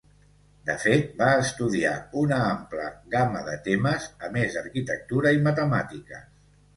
De fet, va estudiar una ampla gamma de temes, a més d'arquitectura i matemàtiques.